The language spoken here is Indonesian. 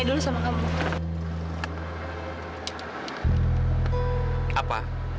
anda juga tuh baik jika zuwo clar cv